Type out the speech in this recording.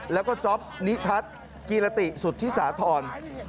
แล้วก็จ๊อปนิทัศน์กีรติสุธิสาธร